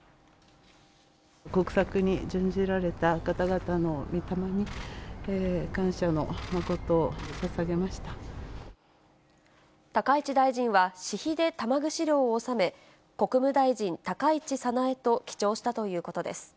国策に殉じられた方々のみ霊に、高市大臣は、私費で玉串料を納め、国務大臣・高市早苗と記帳したということです。